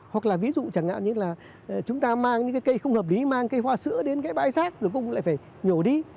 hoặc là ví dụ chẳng hạn như là chúng ta mang những cái cây không hợp lý mang cây hoa sữa đến cái bãi rác rồi cũng lại phải nhổ đi